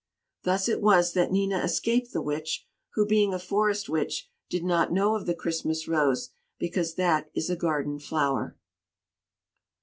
Thus it was that Nina escaped the Witch, who, being a Forest Witch, did not know of the Christmas Rose, because that is a garden flower.